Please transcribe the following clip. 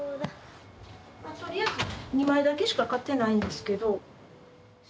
とりあえず２枚だけしか買ってないんですけど。